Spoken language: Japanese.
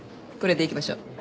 これでいきましょう。